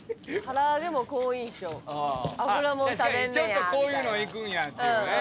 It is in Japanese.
ちょっとこういうのいくんやっていうね。